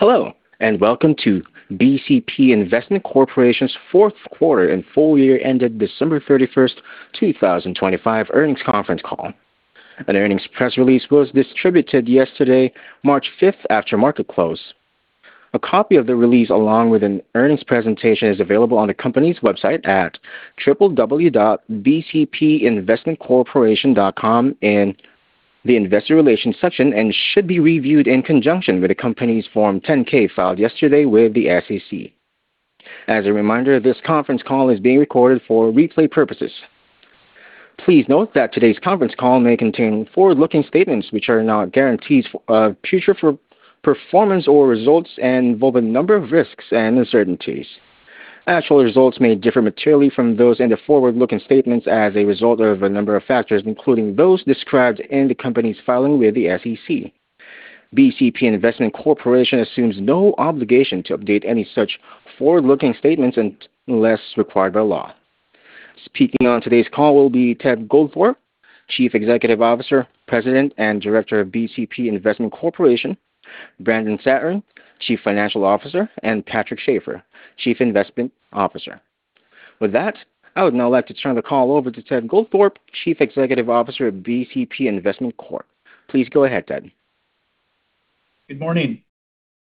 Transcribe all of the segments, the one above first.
Hello, welcome to BCP Investment Corporation's Q4 and full year ended December 31, 2025 earnings conference call. An earnings press release was distributed yesterday, March 5, after market close. A copy of the release, along with an an earnings presentation, is available on the company's website at www.bcpinvestmentcorporation.com in the investor relations section and should be reviewed in conjunction with the company's Form 10-K filed yesterday with the SEC. As a reminder, this conference call is being recorded for replay purposes. Please note that today's conference call may contain forward-looking statements which are not guarantees of future performance or results and involve a number of risks and uncertainties. Actual results may differ materially from those in the forward-looking statements as a result of a number of factors, including those described in the company's filing with the SEC. BCP Investment Corporation assumes no obligation to update any such forward-looking statements unless required by law. Speaking on today's call will be Ted Goldthorpe, Chief Executive Officer, President, and Director of BCP Investment Corporation, Brandon Satoren, Chief Financial Officer, and Patrick Schafer, Chief Investment Officer. With that, I would now like to turn the call over to Ted Goldthorpe, Chief Executive Officer of BCP Investment Corp. Please go ahead, Ted. Good morning.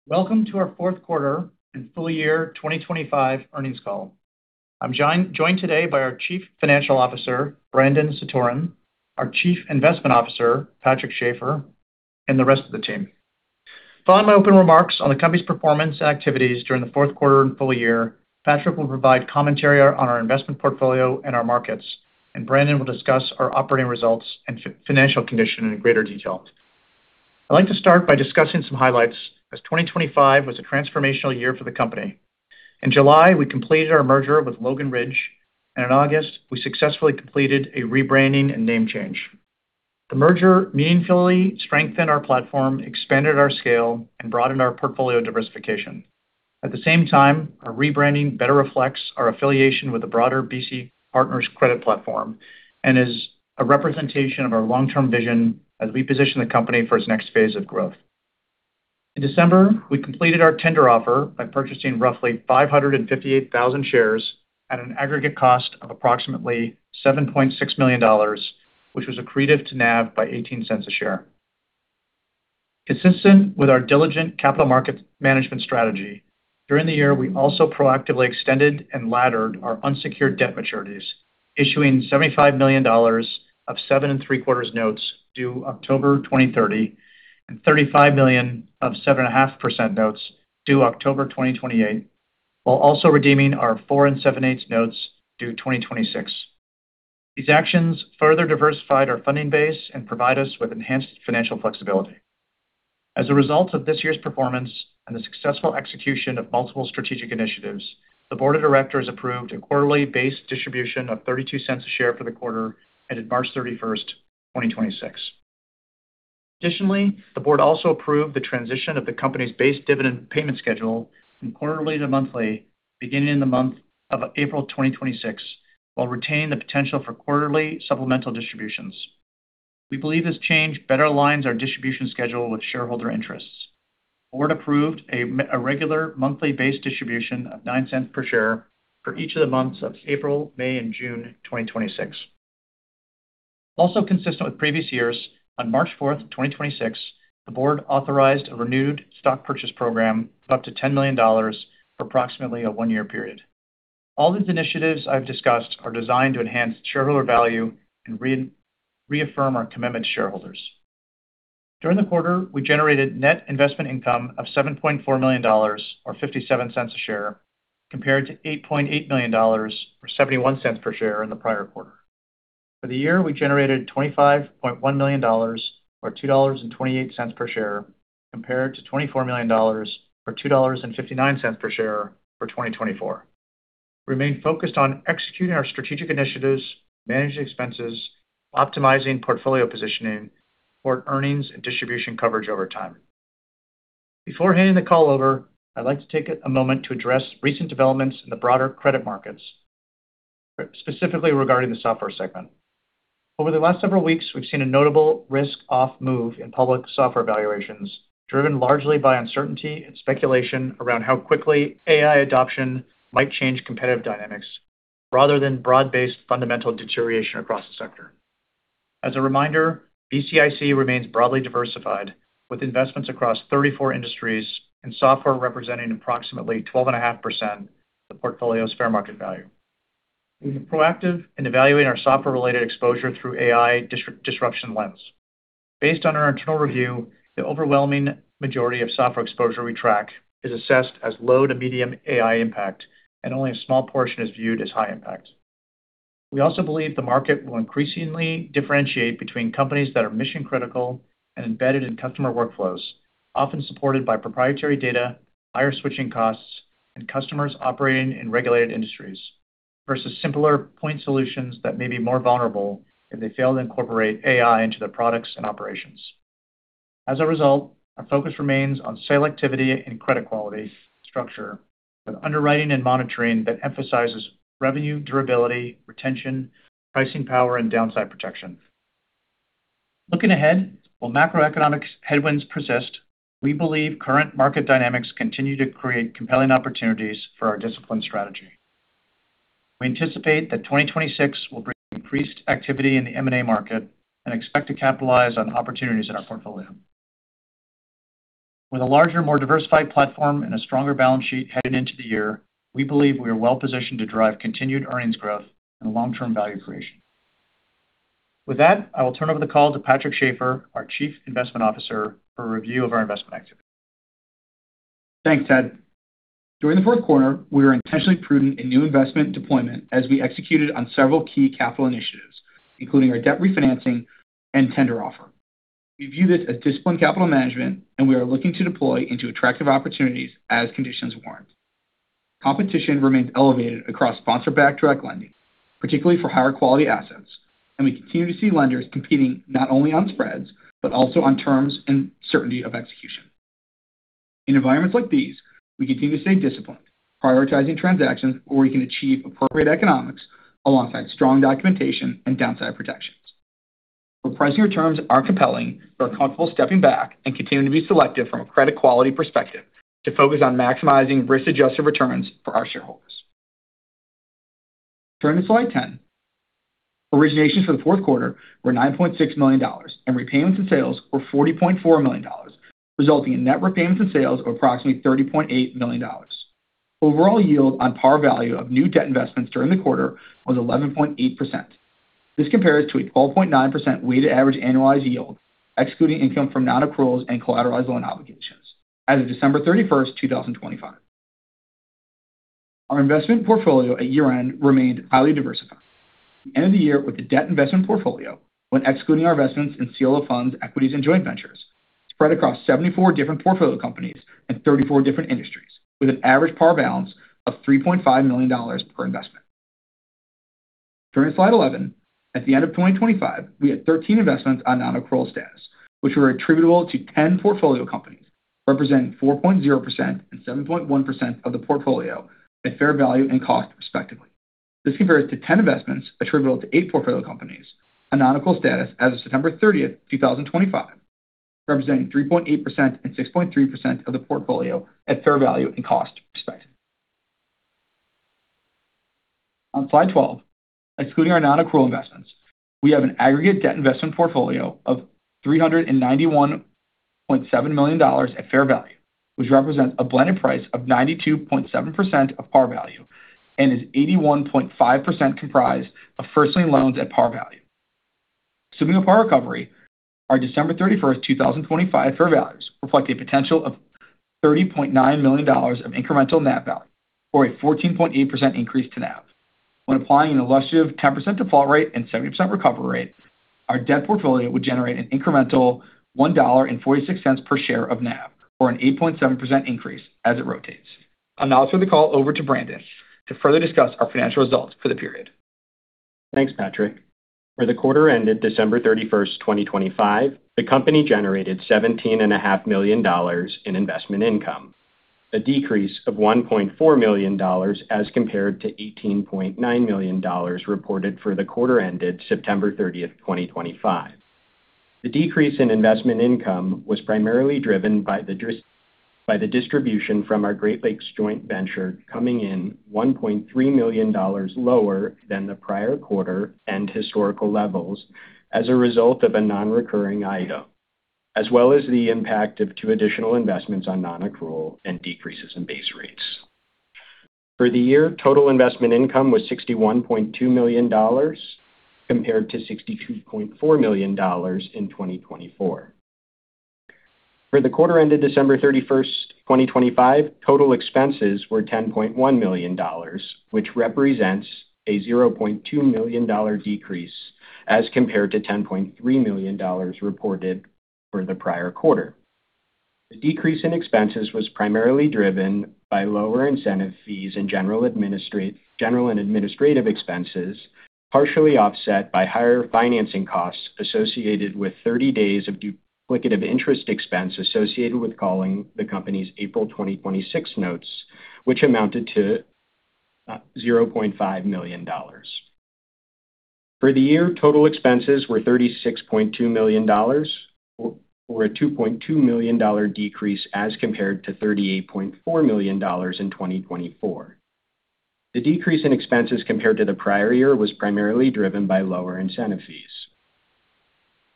Welcome to our Q4 and full year 2025 earnings call. I'm joined today by our Chief Financial Officer, Brandon Satoren, our Chief Investment Officer, Patrick Schafer, and the rest of the team. Following my open remarks on the company's performance and activities during the Q4 and full year, Patrick will provide commentary on our investment portfolio and our markets, and Brandon will discuss our operating results and financial condition in greater detail. I'd like to start by discussing some highlights, as 2025 was a transformational year for the company. In July, we completed our merger with Logan Ridge, and in August, we successfully completed a rebranding and name change. The merger meaningfully strengthened our platform, expanded our scale, and broadened our portfolio diversification. At the same time, our rebranding better reflects our affiliation with the broader BC Partners credit platform and is a representation of our long-term vision as we position the company for its next phase of growth. In December, we completed our tender offer by purchasing roughly 558,000 shares at an aggregate cost of approximately $7.6 million, which was accretive to NAV by $0.18 a share. Consistent with our diligent capital market management strategy, during the year, we also proactively extended and laddered our unsecured debt maturities, issuing $75 million of 7 and 3-quarters notes due October 2030, and $35 million of 7.5% notes due October 2028, while also redeeming our 4 and 7/8 notes due 2026. These actions further diversified our funding base and provide us with enhanced financial flexibility. As a result of this year's performance and the successful execution of multiple strategic initiatives, the board of directors approved a quarterly base distribution of $0.32 a share for the quarter ended March 31, 2026. Additionally, the board also approved the transition of the company's base dividend payment schedule from quarterly to monthly beginning in the month of April 2026, while retaining the potential for quarterly supplemental distributions. We believe this change better aligns our distribution schedule with shareholder interests. The board approved a regular monthly base distribution of $0.09 per share for each of the months of April, May, and June 2026. Also consistent with previous years, on March 4, 2026, the board authorized a renewed stock purchase program of up to $10 million for approximately a 1-year period. All these initiatives I've discussed are designed to enhance shareholder value and reaffirm our commitment to shareholders. During the quarter, we generated net investment income of $7.4 million, or $0.57 a share, compared to $8.8 million or $0.71 per share in the prior quarter. For the year, we generated $25.1 million or $2.28 per share, compared to $24 million or $2.59 per share for 2024. We remain focused on executing our strategic initiatives, managing expenses, optimizing portfolio positioning for earnings and distribution coverage over time. Before handing the call over, I'd like to take a moment to address recent developments in the broader credit markets, specifically regarding the software segment. Over the last several weeks, we've seen a notable risk off move in public software valuations, driven largely by uncertainty and speculation around how quickly AI adoption might change competitive dynamics rather than broad-based fundamental deterioration across the sector. As a reminder, BCIC remains broadly diversified with investments across 34 industries and software representing approximately 12.5% of the portfolio's fair market value. We've been proactive in evaluating our software-related exposure through AI disruption lens. Based on our internal review, the overwhelming majority of software exposure we track is assessed as low to medium AI impact, and only a small portion is viewed as high impact. We also believe the market will increasingly differentiate between companies that are mission-critical and embedded in customer workflows, often supported by proprietary data, higher switching costs, and customers operating in regulated industries versus simpler point solutions that may be more vulnerable if they fail to incorporate AI into their products and operations. As a result, our focus remains on selectivity and credit quality structure with underwriting and monitoring that emphasizes revenue durability, retention, pricing power, and downside protection. Looking ahead, while macroeconomic headwinds persist, we believe current market dynamics continue to create compelling opportunities for our discipline strategy. We anticipate that 2026 will bring increased activity in the M&A market and expect to capitalize on opportunities in our portfolio. With a larger, more diversified platform and a stronger balance sheet heading into the year, we believe we are well-positioned to drive continued earnings growth and long-term value creation. With that, I will turn over the call to Patrick Schafer, our Chief Investment Officer, for a review of our investment activity. Thanks, Ted. During the Q4, we were intentionally prudent in new investment deployment as we executed on several key capital initiatives, including our debt refinancing and tender offer. We view this as disciplined capital management, and we are looking to deploy into attractive opportunities as conditions warrant. Competition remains elevated across sponsor-backed direct lending, particularly for higher quality assets, and we continue to see lenders competing not only on spreads, but also on terms and certainty of execution. In environments like these, we continue to stay disciplined, prioritizing transactions where we can achieve appropriate economics alongside strong documentation and downside protections. Where pricing returns aren't compelling, we're comfortable stepping back and continuing to be selective from a credit quality perspective to focus on maximizing risk-adjusted returns for our shareholders. Turning to Slide 10. Originations for the Q4 were $9.6 million, and repayments and sales were $40.4 million, resulting in net repayments and sales of approximately $30.8 million. Overall yield on par value of new debt investments during the quarter was 11.8%. This compares to a 12.9% weighted average annualized yield, excluding income from non-accruals and Collateralized Loan Obligations as of December 31, 2025. Our investment portfolio at year-end remained highly diversified. The end of the year with the debt investment portfolio, when excluding our investments in CLO funds, equities, and joint ventures, spread across 74 different portfolio companies and 34 different industries, with an average par balance of $3.5 million per investment. Turning to Slide 11. At the end of 2025, we had 13 investments on non-accrual status, which were attributable to 10 portfolio companies, representing 4.0% and 7.1% of the portfolio at fair value and cost, respectively. This compares to 10 investments attributable to 8 portfolio companies on non-accrual status as of September 30, 2025, representing 3.8% and 6.3% of the portfolio at fair value and cost, respectively. On Slide 12, excluding our non-accrual investments, we have an aggregate debt investment portfolio of $391.7 million at fair value, which represents a blended price of 92.7% of par value and is 81.5% comprised of 1st lien loans at par value. Assuming a par recovery, our December 31st, 2025 fair values reflect a potential of $30.9 million of incremental net value or a 14.8% increase to NAV. When applying an illustrative 10% default rate and 70% recovery rate, our debt portfolio would generate an incremental $1.46 per share of NAV or an 8.7% increase as it rotates. I'll now turn the call over to Brandon to further discuss our financial results for the period. Thanks, Patrick. For the quarter ended December 31st, 2025, the company generated $17.5 million in investment income, a decrease of $1.4 million as compared to $18.9 million reported for the quarter ended September 30th, 2025. The decrease in investment income was primarily driven by the distribution from our Great Lakes joint venture coming in $1.3 million lower than the prior quarter and historical levels as a result of a non-recurring item, as well as the impact of 2 additional investments on non-accrual and decreases in base rates. For the year, total investment income was $61.2 million compared to $62.4 million in 2024. For the quarter ended December 31st, 2025, total expenses were $10.1 million, which represents a $0.2 million decrease as compared to $10.3 million reported for the prior quarter. The decrease in expenses was primarily driven by lower incentive fees and general and administrative expenses, partially offset by higher financing costs associated with 30 days of duplicative interest expense associated with calling the company's April 2026 notes, which amounted to $0.5 million. For the year, total expenses were $36.2 million or a $2.2 million decrease as compared to $38.4 million in 2024. The decrease in expenses compared to the prior year was primarily driven by lower incentive fees.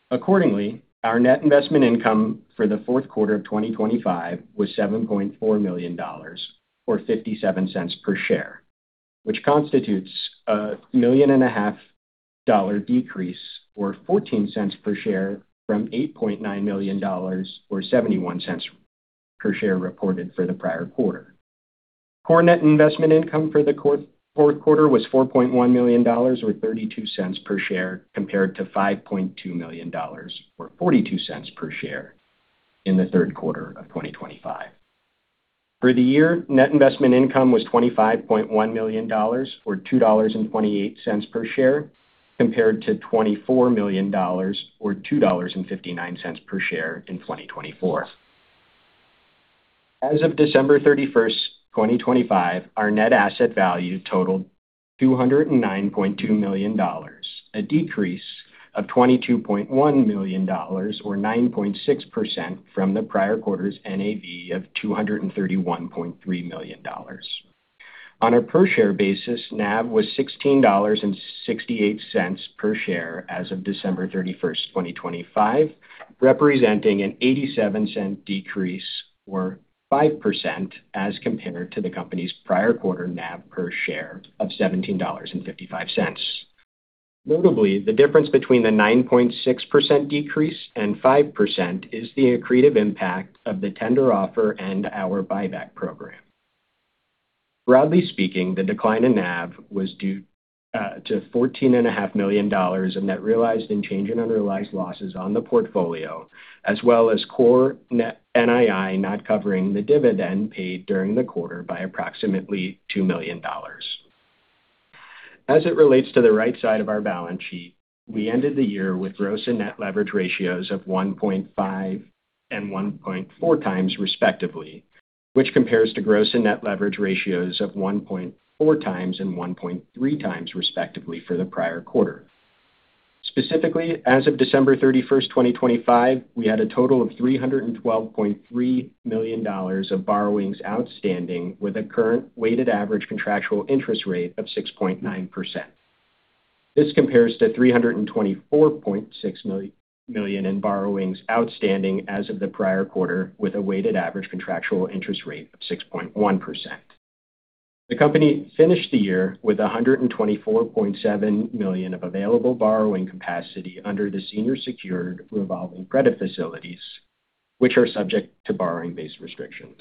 Accordingly, our net investment income for the Q4 of 2025 was $7.4 million or $0.57 per share, which constitutes $1.5 million decrease or $0.14 per share from $8.9 million or $0.71 per share reported for the prior quarter. Core net investment income for the Q4 was $4.1 million or $0.32 per share, compared to $5.2 million or $0.42 per share in the Q3 of 2025. For the year, net investment income was $25.1 million or $2.28 per share, compared to $24 million or $2.59 per share in 2024. As of December 31st, 2025, our net asset value totaled $209.2 million, a decrease of $22.1 million or 9.6% from the prior quarter's NAV of $231.3 million. On a per share basis, NAV was $16.68 per share as of December 31st, 2025, representing an $0.87 decrease, or 5% as compared to the company's prior quarter NAV per share of $17.55. Notably, the difference between the 9.6% decrease and 5% is the accretive impact of the tender offer and our buyback program. Broadly speaking, the decline in NAV was due to $14.5 million Of net realized and change in unrealized losses on the portfolio, as well as core net NII not covering the dividend paid during the quarter by approximately $2 million. As it relates to the right side of our balance sheet, we ended the year with gross and net leverage ratios of 1.5 and 1.4 times respectively, which compares to gross and net leverage ratios of 1.4 times and 1.3 times, respectively, for the prior quarter. Specifically, as of December 31st, 2025, we had a total of $312.3 million of borrowings outstanding with a current weighted average contractual interest rate of 6.9%. This compares to $324.6 million in borrowings outstanding as of the prior quarter with a weighted average contractual interest rate of 6.1%. The company finished the year with $124.7 million of available borrowing capacity under the senior secured revolving credit facilities, which are subject to borrowing-based restrictions.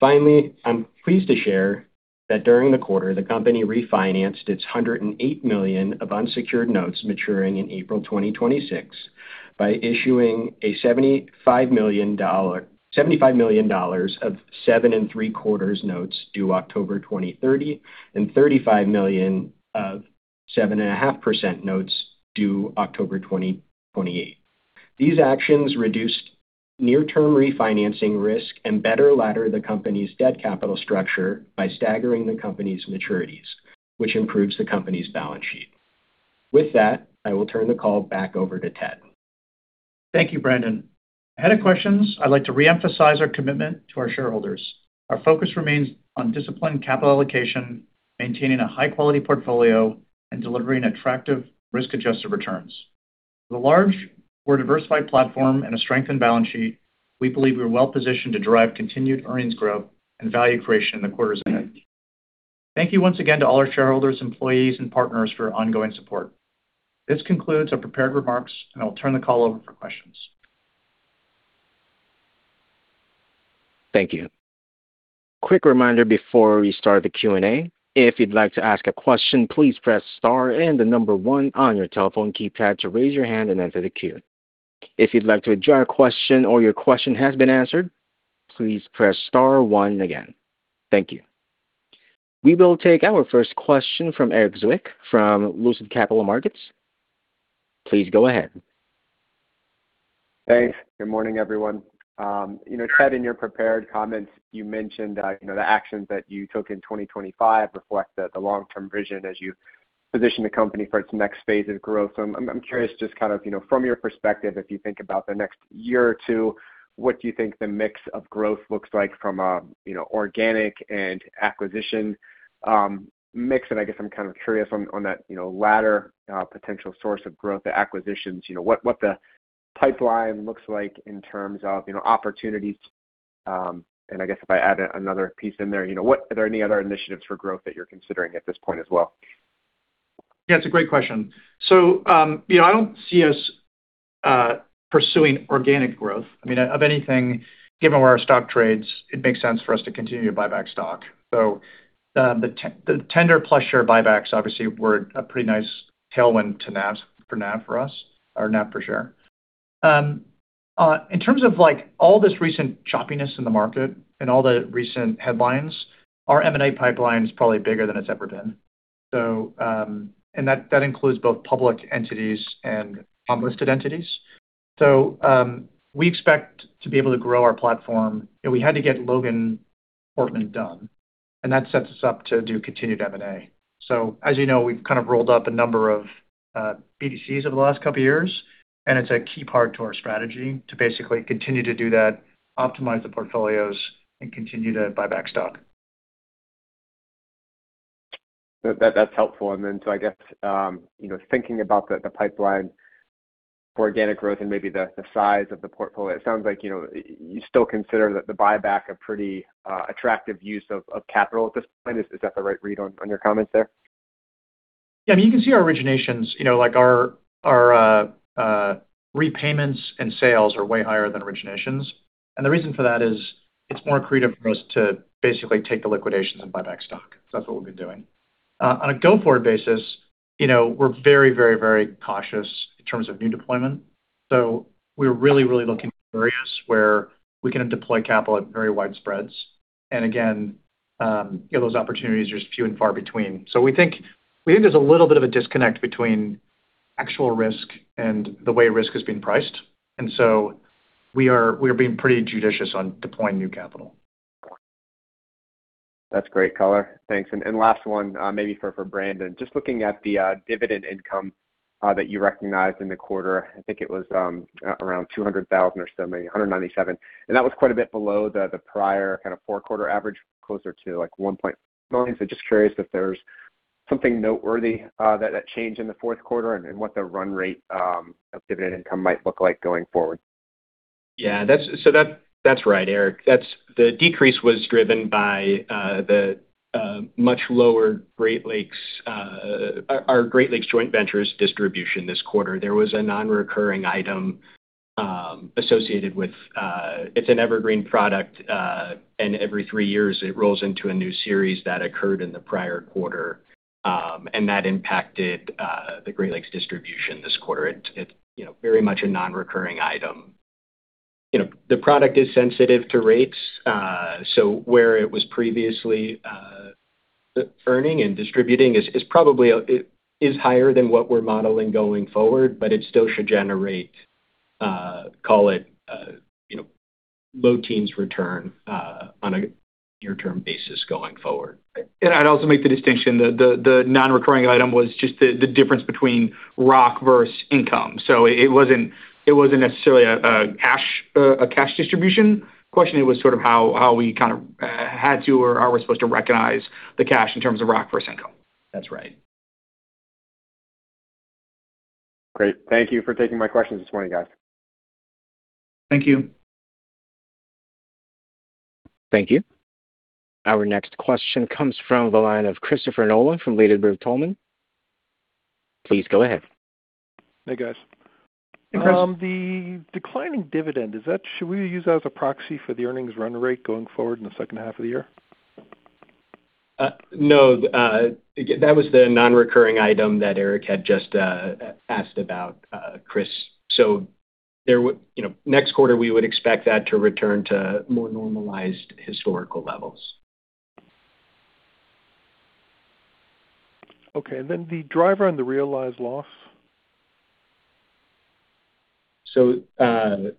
Finally, I'm pleased to share that during the quarter, the company refinanced its $108 million of unsecured notes maturing in April 2026 by issuing $75 million of 7.75% notes due October 2030 and $35 million of 7.5% notes due October 2028. These actions reduced near-term refinancing risk and better ladder the company's debt capital structure by staggering the company's maturities, which improves the company's balance sheet. With that, I will turn the call back over to Ted. Thank you, Brandon. Ahead of questions, I'd like to reemphasize our commitment to our shareholders. Our focus remains on disciplined capital allocation, maintaining a high-quality portfolio, and delivering attractive risk-adjusted returns. With a large, more diversified platform and a strengthened balance sheet, we believe we're well positioned to drive continued earnings growth and value creation in the quarters ahead. Thank you once again to all our shareholders, employees, and partners for your ongoing support. This concludes our prepared remarks, and I'll turn the call over for questions. Thank you. Quick reminder before we start the Q&A. If you'd like to ask a question, please press * and the number 1 on your telephone keypad to raise your hand and enter the queue. If you'd like to withdraw your question or your question has been answered, please press * 1 again. Thank you. We will take our 1st question from Erik Zwick from Lucid Capital Markets. Please go ahead. Thanks. Good morning, everyone. you know, Ted, in your prepared comments, you mentioned, you know, the actions that you took in 2025 reflect the long-term vision as you position the company for its next phase of growth. I'm curious, just kind of, you know, from your perspective, if you think about the next year or 2, what do you think the mix of growth looks like from a, you know, organic and acquisition mix? I guess I'm kind of curious on that, you know, latter potential source of growth, the acquisitions, you know, what the pipeline looks like in terms of, you know, opportunities? I guess if I add another piece in there, you know, are there any other initiatives for growth that you're considering at this point as well? It's a great question. You know, I don't see us pursuing organic growth. I mean, of anything, given where our stock trades, it makes sense for us to continue to buy back stock. The tender plus share buybacks obviously were a pretty nice tailwind to NAV-- for NAV for us or NAV per share. In terms of like all this recent choppiness in the market and all the recent headlines, our M&A pipeline is probably bigger than it's ever been. And that includes both public entities and unlisted entities. We expect to be able to grow our platform, and we had to get Logan Ridge done, and that sets us up to do continued M&A. As you know, we've kind of rolled up a number of BDCs over the last couple of years, and it's a key part to our strategy to basically continue to do that, optimize the portfolios, and continue to buy back stock. That's helpful. I guess, you know, thinking about the pipeline for organic growth and maybe the size of the portfolio, it sounds like, you still consider the buyback a pretty attractive use of capital at this point. Is that the right read on your comments there? I mean, you can see our originations, you know, like our repayments and sales are way higher than originations. The reason for that is it's more accretive for us to basically take the liquidation than buy back stock. That's what we've been doing. On a go-forward basis, you know, we're very cautious in terms of new deployment. We're really looking for areas where we can deploy capital at very wide spreads. Again, you know, those opportunities are just few and far between. We think there's a little bit of a disconnect between. Actual risk and the way risk is being priced. We are being pretty judicious on deploying new capital. That's great color. Thanks. Last 1, maybe for Brandon. Just looking at the dividend income that you recognized in the quarter. I think it was around $200,000 or so maybe $197,000, and that was quite a bit below the prior kinda 4-quarter average, closer to, like, $1. Just curious if there's something noteworthy that changed in the Q4 and what the run rate of dividend income might look like going forward. That's right, Erik. The decrease was driven by the much lower Great Lakes. Our Great Lakes joint venture's distribution this quarter. There was a non-recurring item associated with it's an evergreen product. Every 3 years it rolls into a new series that occurred in the prior quarter. That impacted the Great Lakes distribution this quarter. It's, you know, very much a non-recurring item. You know, the product is sensitive to rates. Where it was previously earning and distributing is probably higher than what we're modeling going forward. It still should generate, call it, you know, low teens return on a near-term basis going forward. I'd also make the distinction. The non-recurring item was just the difference between ROC versus income. It wasn't necessarily a cash distribution question. It was sort of how we kind of had to or are we supposed to recognize the cash in terms of ROC versus income. That's right. Great. Thank you for taking my questions this morning, guys. Thank you. Thank you. Our next question comes from the line of Christopher Nolan from Ladenburg Thalmann. Please go ahead. Hey, guys. Hey, Chris. The declining dividend, should we use that as a proxy for the earnings run rate going forward in the H2 of the year? No. Again, that was the non-recurring item that Erik had just asked about, Chris. You know, next quarter, we would expect that to return to more normalized historical levels. Okay. Then the driver and the realized loss? The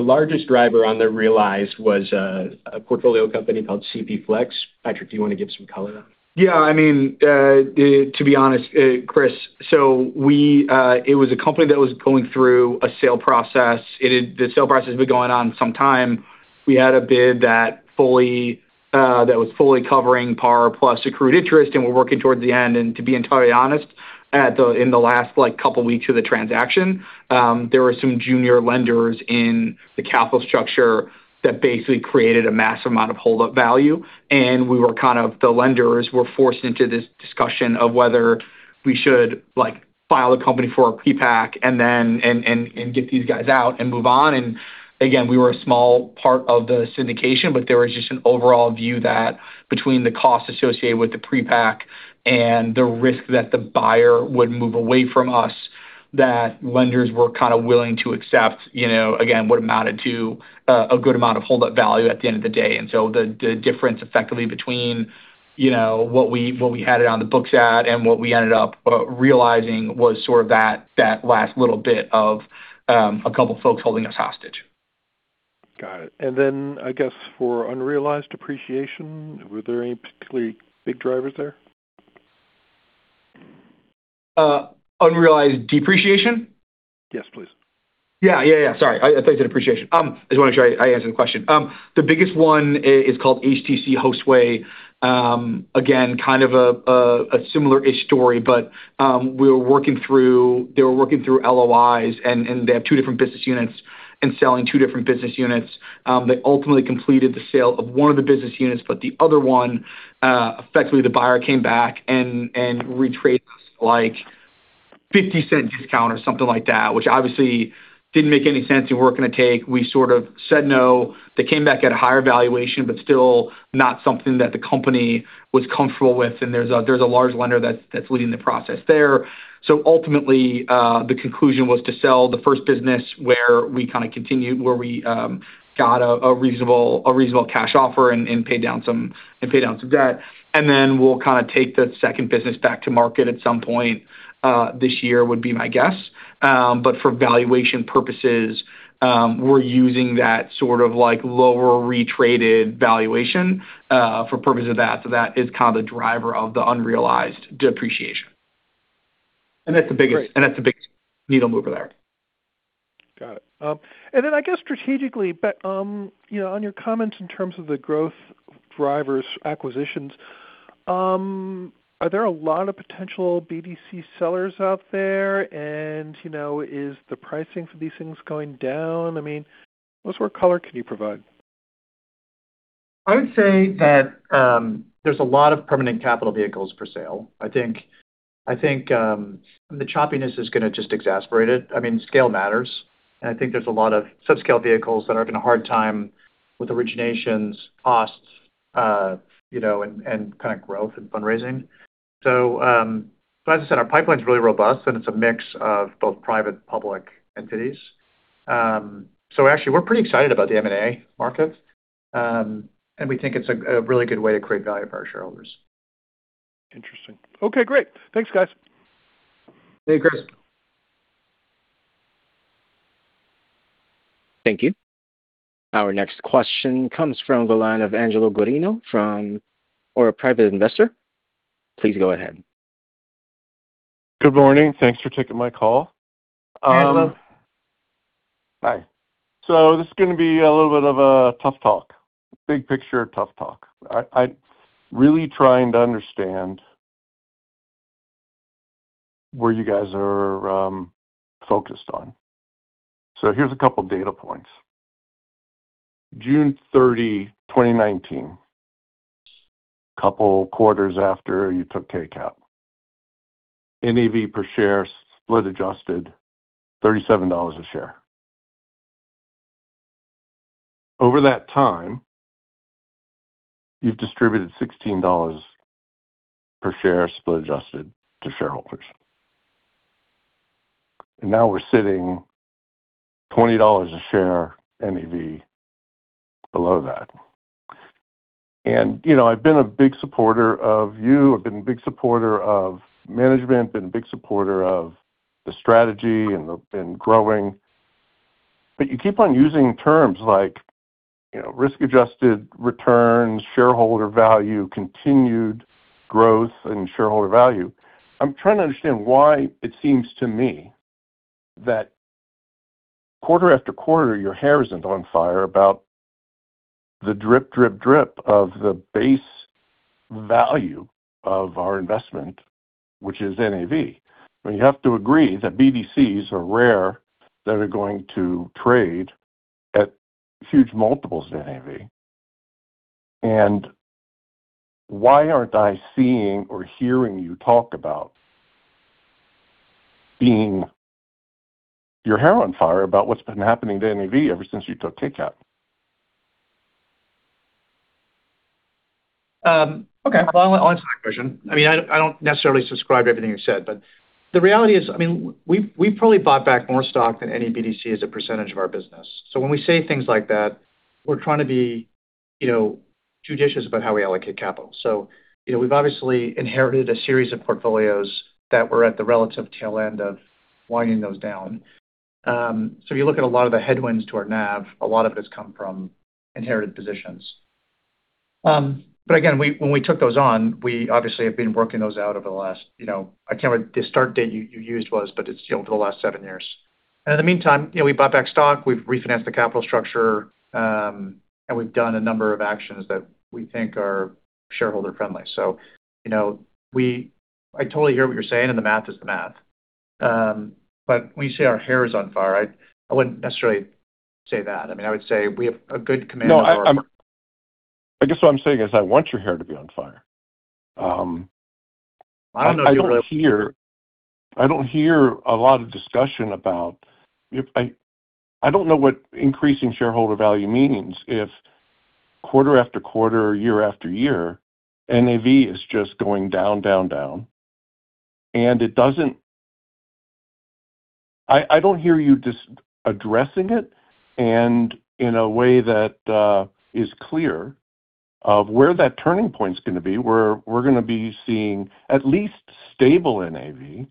largest driver on the realized was, a portfolio company called CP Flex. Patrick, do you wanna give some color? I mean, to be honest, Chris, we, it was a company that was going through a sale process. The sale process had been going on some time. We had a bid that fully, that was fully covering par plus accrued interest, we're working towards the end. To be entirely honest, in the last, like, couple weeks of the transaction, there were some junior lenders in the capital structure that basically created a massive amount of hold-up value. The lenders were forced into this discussion of whether we should, like, file a company for a pre-pack and get these guys out and move on. Again, we were a small part of the syndication, but there was just an overall view that between the cost associated with the pre-pack and the risk that the buyer would move away from us, that lenders were kinda willing to accept, you know, again, what amounted to a good amount of hold-up value at the end of the day. The difference effectively between, you know, what we, what we had it on the books at and what we ended up realizing was sort of that last little bit of a couple folks holding us hostage. Got it. Then I guess for unrealized depreciation, were there any particularly big drivers there? unrealized depreciation? Yes, please. Sorry. I thought you said appreciation. I just wanna make sure I answered the question. The biggest 1 is called HDC Hostway. Again, kind of a similar-ish story, but they were working through LOIs, and they have 2 different business units and selling 2 different business units. They ultimately completed the sale of one of the business units, but the other 1, effectively the buyer came back and retraced, like, $0.50 discount or something like that, which obviously didn't make any sense and we weren't gonna take. We sort of said no. They came back at a higher valuation, but still not something that the company was comfortable with. There's a large lender that's leading the process there. Ultimately, the conclusion was to sell the 1st business where we kinda continued, where we got a reasonable cash offer and paid down some debt. Then we'll kinda take the 2nd business back to market at some point this year would be my guess. But for valuation purposes, we're using that sort of, like, lower re-traded valuation for purpose of that. That is kind of the driver of the unrealized depreciation. That's the biggest- Great. That's the biggest needle mover there. Got it. I guess strategically, but, you know, on your comments in terms of the growth drivers, acquisitions, are there a lot of potential BDC sellers out there? You know, is the pricing for these things going down? I mean, what sort of color can you provide? I would say that, there's a lot of permanent capital vehicles for sale. I think, the choppiness is gonna just exacerbate it. I mean, scale matters. I think there's a lot of subscale vehicles that are having a hard time with originations costs, you know, and kinda growth and fundraising. As I said, our pipeline's really robust, and it's a mix of both private-public entities Actually we're pretty excited about the M&A market, and we think it's a really good way to create value for our shareholders. Interesting. Okay, great. Thanks, guys. Okay, great. Thank you. Our next question comes from the line of Angelo Guarino from, or a Private Investor. Please go ahead. Good morning. Thanks for taking my call. Hi, Angelo. Hi. This is going to be a little bit of a tough talk. Big picture, tough talk. I'm really trying to understand where you guys are focused on. Here's a couple data points. June 30, 2019, couple quarters after you took KCAP, NAV per share split adjusted $37 a share. Over that time, you've distributed $16 per share split adjusted to shareholders. Now we're sitting $20 a share NAV below that. You know, I've been a big supporter of you, I've been a big supporter of management, been a big supporter of the strategy and growing. You keep on using terms like, you know, risk-adjusted returns, shareholder value, continued growth, and shareholder value. I'm trying to understand why it seems to me that quarter after quarter, your hair isn't on fire about the drip, drip of the base value of our investment, which is NAV. I mean, you have to agree that BDCs are rare that are going to trade at huge multiples of NAV. Why aren't I seeing or hearing you talk about being your hair on fire about what's been happening to NAV ever since you took KCAP? Okay. Well, I'll answer that question. I mean, I don't necessarily subscribe to everything you said, but the reality is, I mean, we've probably bought back more stock than any BDC as a percentage of our business. When we say things like that, we're trying to be, you know, judicious about how we allocate capital. You know, we've obviously inherited a series of portfolios that were at the relative tail end of winding those down. If you look at a lot of the headwinds to our NAV, a lot of it has come from inherited positions. Again, when we took those on, we obviously have been working those out over the last, you know, I can't remember the start date you used was, but it's, you know, over the last 7 years. In the meantime, you know, we bought back stock, we've refinanced the capital structure, and we've done a number of actions that we think are shareholder friendly. You know, we I totally hear what you're saying, and the math is the math. But when you say our hair is on fire, I wouldn't necessarily say that. I mean, I would say we have a good command of our- I guess what I'm saying is I want your hair to be on fire. I don't know if you wanna- I don't hear a lot of discussion about. I don't know what increasing shareholder value means if quarter-after-quarter, year after year, NAV is just going down, down. I don't hear you just addressing it and in a way that is clear of where that turning point's gonna be, where we're gonna be seeing at least stable NAV,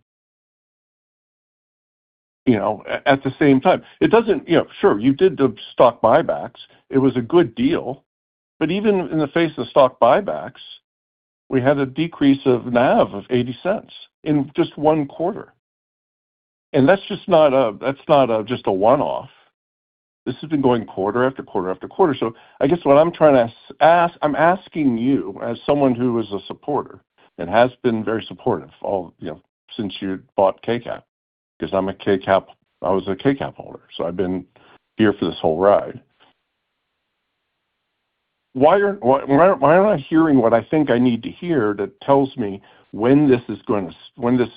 you know, at the same time. You know, sure, you did the stock buybacks. It was a good deal. Even in the face of stock buybacks, we had a decrease of NAV of $0.80 in just 1 quarter. That's just not a one-off. This has been going quarter-after-quarter-after-quarter. I guess what I'm trying to ask, I'm asking you as someone who is a supporter and has been very supportive all, you know, since you bought KCAP, 'cause I'm a KCAP I was a KCAP holder, so I've been here for this whole ride. Why aren't, why am I not hearing what I think I need to hear that tells me when this is gonna when this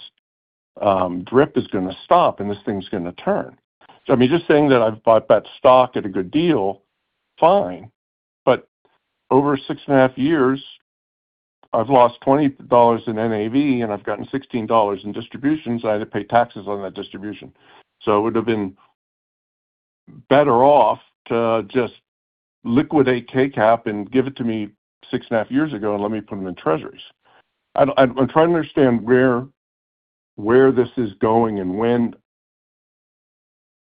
drip is gonna stop and this thing's gonna turn? I mean, just saying that I've bought back stock at a good deal, fine. Over 6 and a half years, I've lost $20 in NAV, and I've gotten $16 in distributions. I had to pay taxes on that distribution. It would've been better off to just liquidate KCAP and give it to me 6 and a half years ago and let me put them in treasuries. I'm trying to understand where this is going and when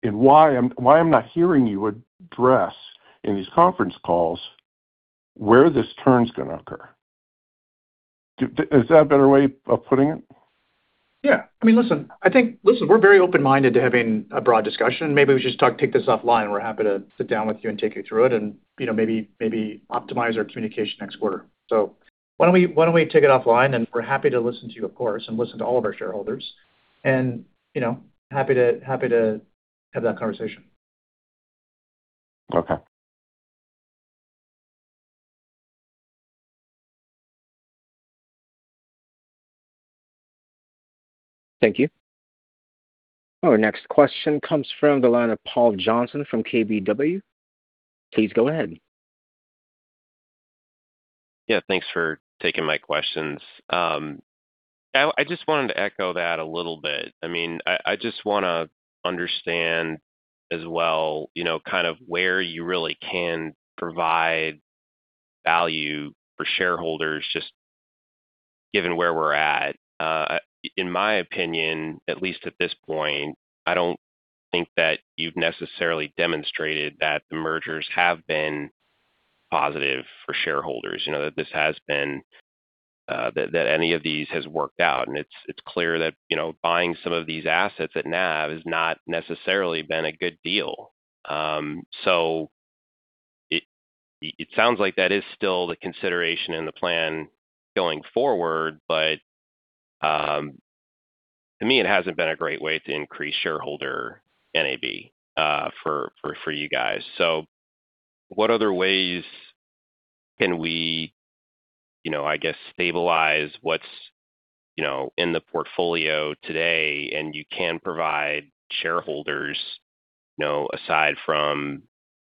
and why I'm, why I'm not hearing you address in these conference calls where this turn's gonna occur. Is that a better way of putting it? I mean, listen, I think. Listen, we're very open-minded to having a broad discussion. Maybe we should talk, take this offline. We're happy to sit down with you and take you through it and, you know, maybe optimize our communication next quarter. Why don't we take it offline, and we're happy to listen to you, of course, and listen to all of our shareholders. You know, happy to have that conversation. Okay. Thank you. Our next question comes from the line of Paul Johnson from KBW. Please go ahead. Thanks for taking my questions. I just wanted to echo that a little bit. I mean, I just wanna understand as well, you know, kind of where you really can provide value for shareholders just given where we're at. In my opinion, at least at this point, I don't think that you've necessarily demonstrated that the mergers have been positive for shareholders, you know. This has been, any of these has worked out. It's clear that, you know, buying some of these assets at NAV has not necessarily been a good deal. It sounds like that is still the consideration and the plan going forward. To me it hasn't been a great way to increase shareholder NAV for you guys. What other ways can we, you know, I guess stabilize what's, you know, in the portfolio today and you can provide shareholders, you know, aside from,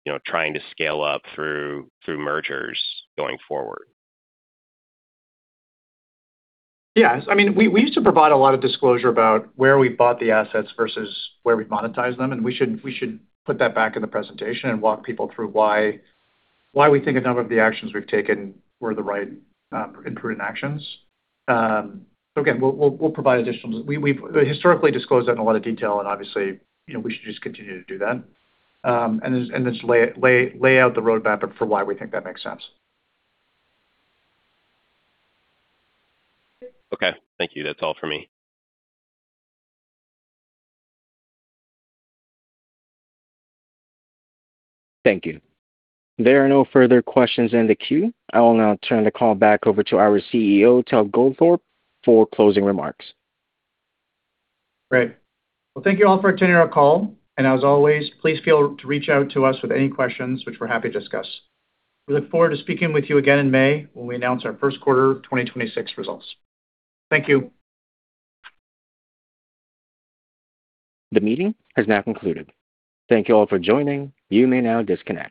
you know, trying to scale up through mergers going forward? Yes. I mean, we used to provide a lot of disclosure about where we bought the assets versus where we monetize them. We should put that back in the presentation and walk people through why we think a number of the actions we've taken were the right prudent actions. Again, we'll provide additional, we've historically disclosed that in a lot of detail and obviously, you know, we should just continue to do that. Then just lay out the roadmap for why we think that makes sense. Okay. Thank you. That's all for me. Thank you. There are no further questions in the queue. I will now turn the call back over to our CEO, Ted Goldthorpe, for closing remarks. Great. Well, thank you all for attending our call. As always, please feel to reach out to us with any questions which we're happy to discuss. We look forward to speaking with you again in May when we announce our Q1 2026 results. Thank you. The meeting has now concluded. Thank you all for joining. You may now disconnect.